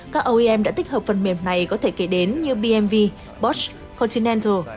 các oem đã tích hợp phần mềm này có thể kể đến như bmw bosch continental